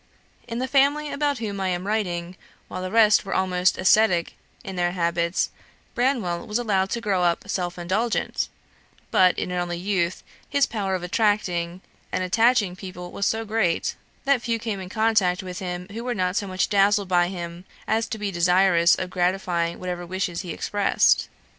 In the family about whom I am writing, while the rest were almost ascetic in their habits, Branwell was allowed to grow up self indulgent; but, in early youth, his power of attracting and attaching people was so great, that few came in contact with him who were not so much dazzled by him as to be desirous of gratifying whatever wishes he expressed.